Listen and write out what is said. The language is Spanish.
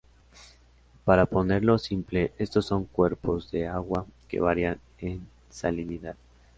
Para ponerlo simple, estos son cuerpos de agua que varían en salinidad.